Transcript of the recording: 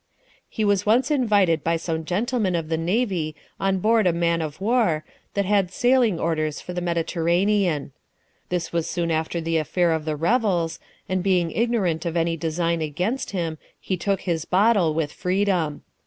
He was once invited by some gentlemen of the navy on board a man of war, that had sailing orders for the Mediterranean. This was soon after the affair of the revels, and being ignorant of any design against him, he took his bottle with freedom.